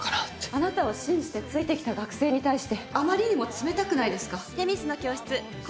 あなたを信じてついてきた学生に対してあまりにも冷たくないですか？